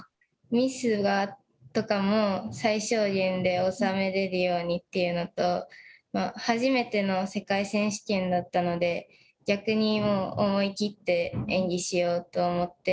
ミスとかも最小限で収めれるようにというのと初めての世界選手権だったので逆に思い切って演技しようと思って。